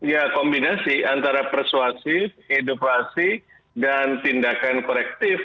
ya kombinasi antara persuasif edukasi dan tindakan korektif